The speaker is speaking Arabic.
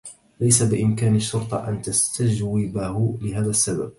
ليس بإمكان الشرطة أن تستجوبه لهذا السّبب.